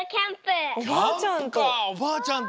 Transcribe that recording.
おばあちゃんと。